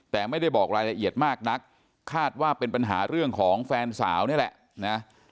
แต่ไม่ได้บอกรายละเอียดมากนักคาดว่าเป็นปัญหาเรื่องของแฟนสาวนี่แหละนะ